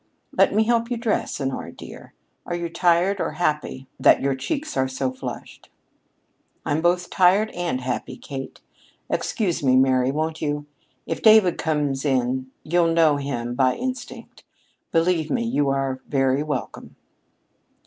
Let me help you dress, Honora dear. Are you tired or happy that your cheeks are so flushed?" "I'm both tired and happy, Kate. Excuse me, Mary, won't you? If David comes in you'll know him by instinct. Believe me, you are very welcome."